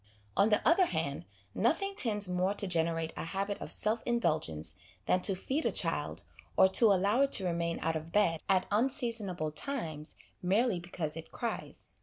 On the other hand, nothing tends more to generate a habit of self indul gence than to feed a child, or to allow it to remain out of bed, at unseasonable times, merely because it cries.